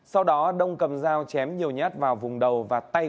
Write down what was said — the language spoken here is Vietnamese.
sau đó đông cầm dao chém nhiều nhát vào vùng đầu và tay